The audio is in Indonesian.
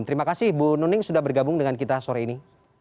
terima kasih ibu nuning sudah bergabung dengan kita sore ini